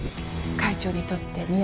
会長にとってみ